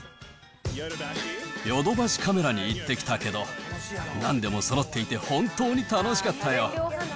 ヨドバシカメラに行ってきたけど、なんでもそろっていて、本当に楽しかったよ！